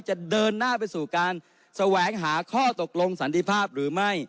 จะเดินหน้าไปสู่การแสวงหาข้อตกลงสันติภาพหรือไม่